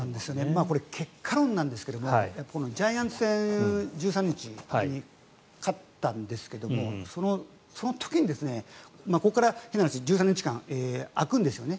これ、結果論なんですがジャイアンツ戦１３日に勝ったんですけどもその時に、ここから変な話１３日間空くんですよね。